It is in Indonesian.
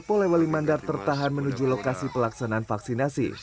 polewali mandar tertahan menuju lokasi pelaksanaan vaksinasi